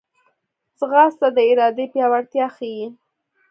ځغاسته د ارادې پیاوړتیا ښيي